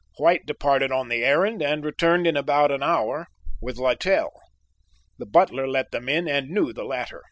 White departed on the errand and returned in about an hour with Littell. "The butler let them in and knew the latter.